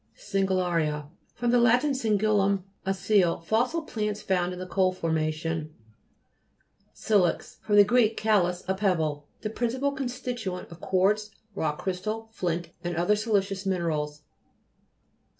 SIGILLA'RIA fr. lat. si'gillum, a seal. Fossil plants found in the coal formation. SI'LEX fr. gr. chalis, a pebble. The principal constituent of quartz, rock crystal, flint, and other silicious minerals.